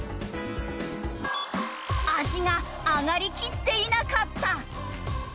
足が上がりきっていなかった。